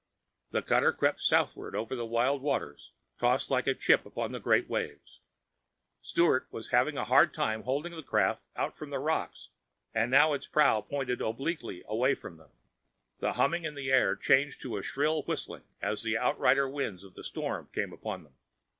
The cutter crept southward over the wild waters, tossed like a chip upon the great waves. Sturt was having a hard time holding the craft out from the rocks, and had its prow pointed obliquely away from them. The humming in the air changed to a shrill whistling as the outrider winds of the storm came upon them.